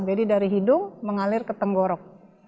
jadi dari hidung mengalir ke tenggorok